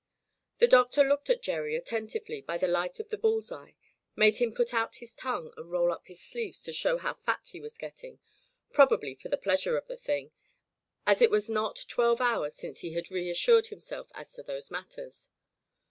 The Doctor looked at Gerry attentively by the light of the bull's eye, made him put out his tongue, and roll up his sleeves to show how fat he was getting, probably for the pleasure of the thing, as it was not twelve hours since he had reassured himself as to those matters.